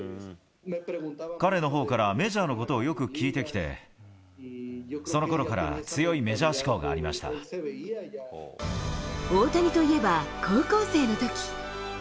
彼のほうからメジャーのことをよく聞いてきて、そのころから強い大谷といえば、高校生のとき。